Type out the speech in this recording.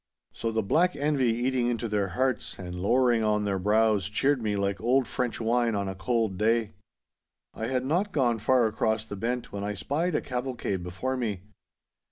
So the black envy eating into their hearts and lowering on their brows cheered me like old French wine on a cold day. I had not gone far across the bent when I spied a cavalcade before me.